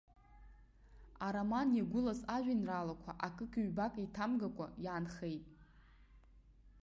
Ароман иагәылаз ажәеинраалақәа акык-ҩбак еиҭагамқәа иаанхеит.